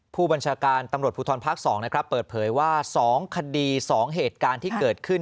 ผู้บัญชาการตำรวจภูทรภาค๒นะครับเปิดเผยว่า๒คดี๒เหตุการณ์ที่เกิดขึ้น